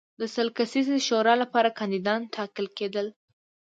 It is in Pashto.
د سل کسیزې شورا لپاره کاندیدان ټاکل کېدل.